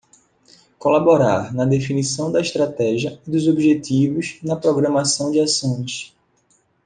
Colaborar na definição da estratégia e dos objetivos na programação de ações.